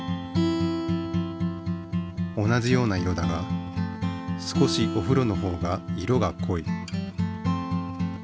同じような色だが少しおふろのほうが色がこい。